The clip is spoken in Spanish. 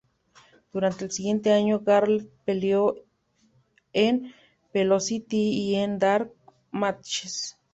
Durante el siguiente año, Garland peleó en Velocity y en dark matches.